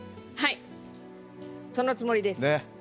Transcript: はいそのつもりです。